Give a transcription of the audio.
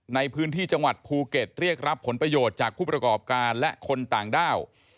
ในพื้นที่จังหวัดภูเก็ตเรียกรับผลประโยชน์จากผู้ประกอบการและคนต่างด้าว